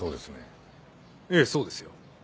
ええそうですよ。